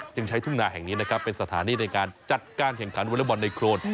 จึงใช้ธุรกิจธุ่มนาแห่งนี้เป็นสถานีในการจัดการแข่งการวอเล่นบอลในโครน